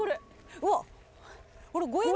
うわっ。